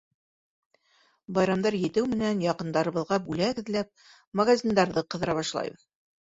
Байрамдар етеү менән яҡындарыбыҙға бүләк эҙләп магазиндарҙы ҡыҙыра башлайбыҙ.